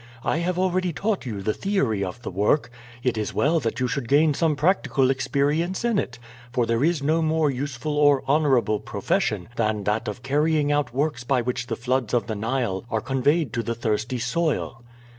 I have already taught you the theory of the work; it is well that you should gain some practical experience in it; for there is no more useful or honorable profession than that of carrying out works by which the floods of the Nile are conveyed to the thirsty soil."